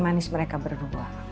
manis mereka berdua